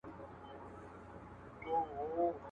په گورم کي غوا نه لري، د گوروان سر ور ماتوي.